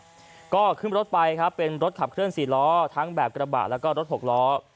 ก็ขึ้นลดไปครับแล้วก็คืนไปลดไปนะครับเป็นรถขับเคลื่อนสี่ล้อทั้งแบบกระบะแล้วก็รถหกล้อ